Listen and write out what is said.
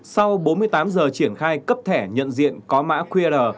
sau bốn mươi tám giờ triển khai cấp thẻ nhận diện có mã qr